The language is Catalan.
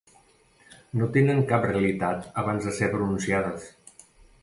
No tenen cap realitat abans de ser pronunciades.